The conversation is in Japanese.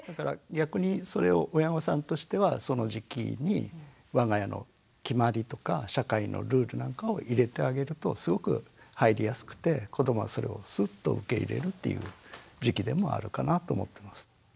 逆にそれを親御さんとしてはその時期にわが家の決まりとか社会のルールなんかを入れてあげるとすごく入りやすくて子どもはそれをスッと受け入れるっていう時期でもあるかなと思ってます。